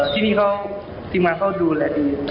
ที่นี่เขาทีมงานเขาดูแลดี